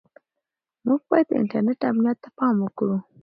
موږ باید د انټرنیټ امنیت ته پام وکړو.